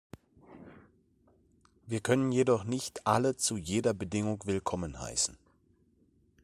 Wir können jedoch nicht alle zu jeder Bedingung willkommen heißen.